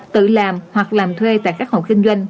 tự làm hoặc làm thuê tại các hộ kinh doanh